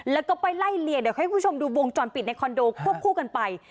แล้วก็ไปไล่เลี่ยเดี๋ยวให้คุณผู้ชมดูวงจรปิดในคอนโดควบคู่กันไป